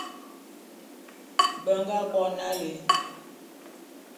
Be nga bo nalé.